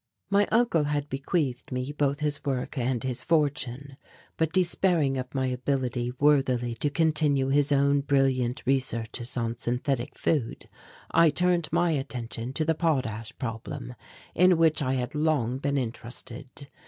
My uncle had bequeathed me both his work and his fortune, but despairing of my ability worthily to continue his own brilliant researches on synthetic food, I turned my attention to the potash problem, in which I had long been interested.